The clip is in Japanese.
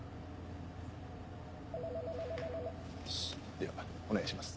ではお願いします。